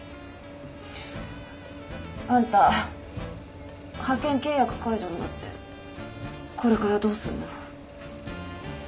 あんた派遣契約解除になってこれからどうすんの？